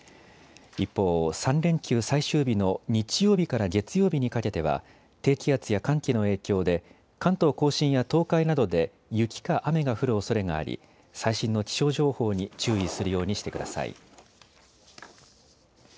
一方、３連休最終日の日曜日から月曜日にかけては低気圧や寒気の影響で関東甲信や東海などで雪か雨が降るおそれがあり最新の気象情報に注意するようにしてください。